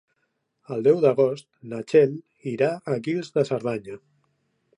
El deu d'agost na Txell irà a Guils de Cerdanya.